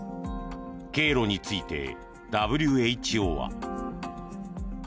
経路についてＷＨＯは。